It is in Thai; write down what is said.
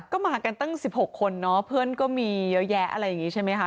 ก็มากันตั้ง๑๖คนเนาะเพื่อนก็มีเยอะแยะอะไรอย่างนี้ใช่ไหมคะ